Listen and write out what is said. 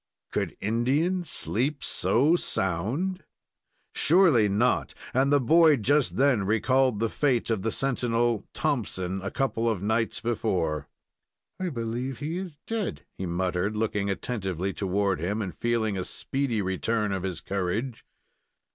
Could Indian sleep so sound? Surely not, and the boy just then recalled the fate of the sentinel Thompson, a couple of nights before. "I believe he is dead," he muttered, looking attentively toward him, and feeling a speedy return of his courage.